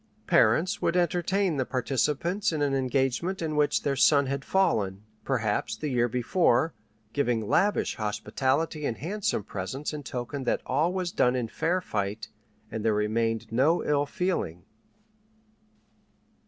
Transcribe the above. Parents would entertain the participants in an engagement in which their son had fallen, perhaps, the year before, giving lavish hospitality and handsome presents in token that all was done in fair fight, and there remained no ill feeling.